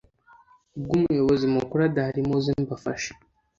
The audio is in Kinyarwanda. ubw umuyobozi mukuru adahari muze mbafashe